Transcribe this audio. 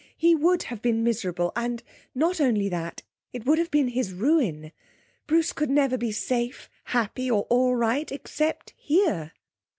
He would have been miserable and, not only that, it would have been his ruin. Bruce could never be safe, happy, or all right, except here.'